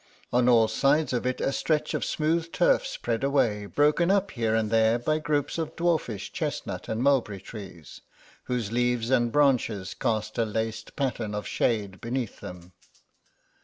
On all sides of it a stretch of smooth turf spread away, broken up here and there by groups of dwarfish chestnut and mulberry trees, whose leaves and branches cast a laced pattern of shade beneath them.